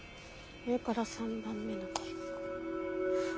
上から３番目の右から。